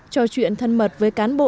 trò chuyện thân mật với cán bộ